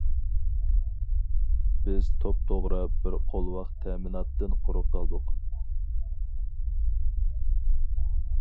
بىز توپتوغرا بىر قولۋاق تەمىناتتىن قۇرۇق قالدۇق.